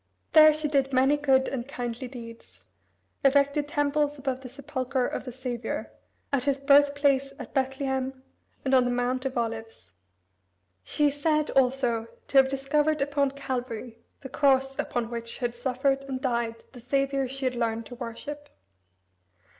There she did many good and kindly deeds, erected temples above the Sepulchre of the Saviour, at his birthplace at Bethlehem, and on the Mount of Olives. She is said, also, to have discovered upon Calvary the cross, upon which had suffered and died the Saviour she had learned to worship.